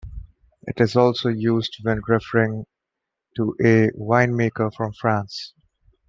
It is also used when referring to a winemaker from France.